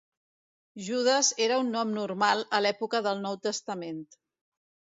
Judas era un nom normal a l'època del Nou Testament.